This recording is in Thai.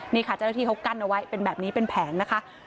นี่ค่ะเจ้าหน้าที่เขากั้นเอาไว้เป็นแบบนี้เป็นแผงนะคะ